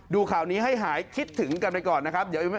ดูข่าวนี้ให้หายคิดถึงกันไปก่อนนะครับ